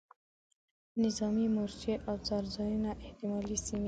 نظامي مورچې او څار ځایونه احتمالي سیمې دي.